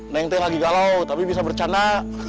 neng teg lagi galau tapi bisa bercanda